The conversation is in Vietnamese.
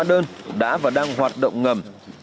hóa đơn đã và đang hoạt động ngầm